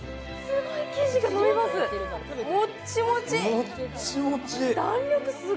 すごい、生地が伸びます。